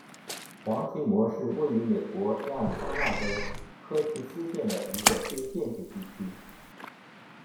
黄锤磨是位于美国亚利桑那州科奇斯县的一个非建制地区。